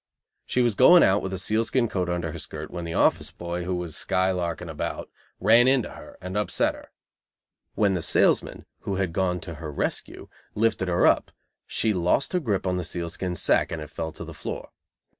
She was going out with a sealskin coat under her skirt when the office boy, who was skylarking about, ran into her, and upset her. When the salesman, who had gone to her rescue, lifted her up, she lost her grip on the sealskin sacque, and it fell to the floor.